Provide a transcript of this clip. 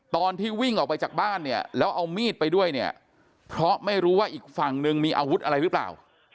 ตอนที่วิ่งออกไปจากบ้านเนี่ยแล้วเอามีดไปด้วยเนี่ยเพราะไม่รู้ว่าอีกฝั่งนึงมีอาวุธอะไรหรือเปล่า